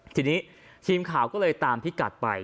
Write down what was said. ทีนี้ทีมข่าวก็เลยตามพี่กัดไป